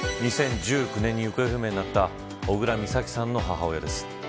２０１９年に行方不明になった小倉美咲さんの母親です。